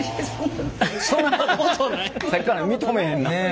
さっきから認めへんな。